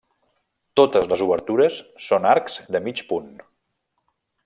Totes les obertures són arcs de mig punt.